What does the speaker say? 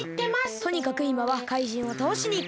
とにかくいまはかいじんをたおしにいこう！